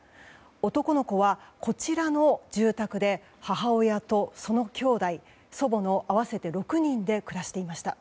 男の子はこちらの住宅で母親とそのきょうだい、祖母の合わせて６人で暮らしていました。